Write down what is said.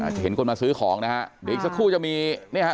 จะเห็นคนมาซื้อของนะฮะเดี๋ยวอีกสักครู่จะมีเนี่ยฮะ